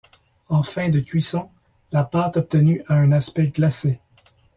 En fin de cuisson, la pâte obtenue a un aspect glacé.